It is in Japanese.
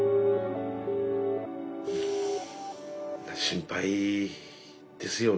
心配ですよね。